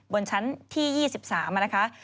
บนชั้นที่๒๓นะคะ